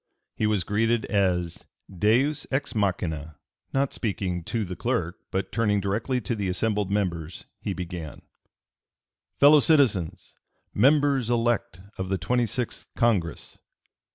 He was (p. 293) greeted as a Deus ex machina. Not speaking to the clerk, but turning directly to the assembled members, he began: "Fellow citizens! Members elect of the twenty sixth Congress!"